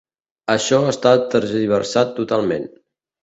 Això està tergiversat totalment.